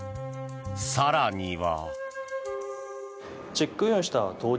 更には。